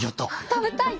食べたい！